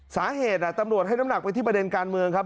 สาเหตุตำรวจให้น้ำหนักไปที่ประเด็นการเมืองครับ